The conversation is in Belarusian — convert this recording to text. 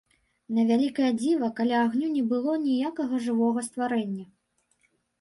На вялікае дзіва, каля агню не было ніякага жывога стварэння.